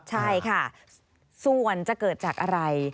ใช่ค่ะส่วนจะเกิดจากอะไร